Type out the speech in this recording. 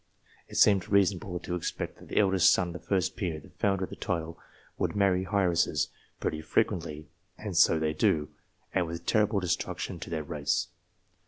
It seemed reasonable to expect that the eldest son of the first peer, the founder of the title, would marry heiresses pretty frequently ; and so they do, and with terrible destruc tion to their race.